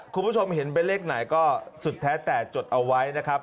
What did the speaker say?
คุณผู้ชมเห็นเป็นเลขไหนก็สุดแท้แต่จดเอาไว้นะครับ